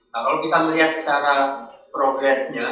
nah kalau kita melihat secara progresnya